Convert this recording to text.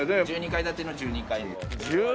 １２階建ての１２階を。